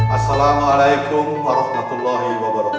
assalamu'alaikum warahmatullahi wabarakatuh